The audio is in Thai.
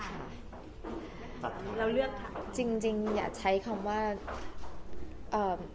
เราเลือกค่ะจริงจริงอย่าใช้คำว่าเอ่อ